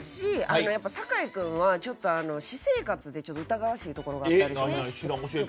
酒井君は、私生活で疑わしいところがあったり。